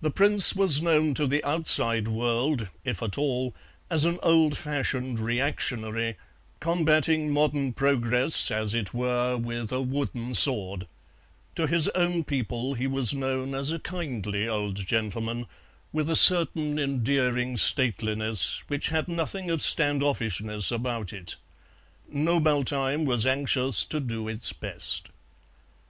The Prince was known to the outside world, if at all, as an old fashioned reactionary, combating modern progress, as it were, with a wooden sword; to his own people he was known as a kindly old gentleman with a certain endearing stateliness which had nothing of standoffishness about it. Knobaltheim was anxious to do its best.